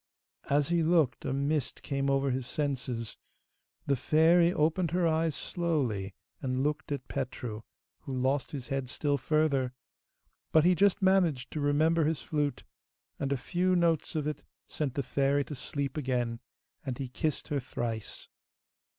As he looked a mist came over his senses. The fairy opened her eyes slowly and looked at Petru, who lost his head still further; but he just managed to remember his flute, and a few notes of it sent the Fairy to sleep again, and he kissed her thrice.